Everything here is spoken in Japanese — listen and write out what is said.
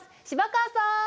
芝川さん！